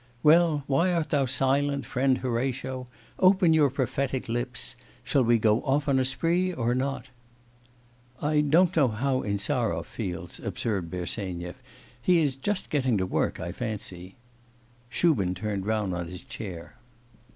'Well, why art thou silent, friend Horatio? Open your prophetic lips. Shall we go off on a spree, or not?' 'I don't know how Insarov feels,' observed Bersenyev. 'He is just getting to work, I fancy.' Shubin turned round on his chair.